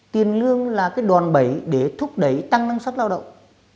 tiền lương là cái đòn bẩy để thúc đẩy tăng năng suất lao động